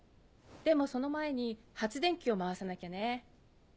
でもその前に発電機を回さなきゃね。